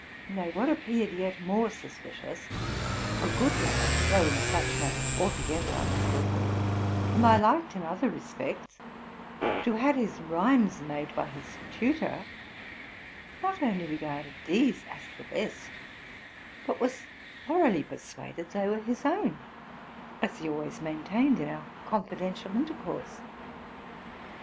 Nay, what appeared yet more suspicious, a good lad (though in such matters altogether unskilful) , whom 1 liked in other respects, but who had his rhymes made by his tutor, not only regarded these as the best, but was thor oughly persuaded they were his own, as he always main tained in our confidential intercourse.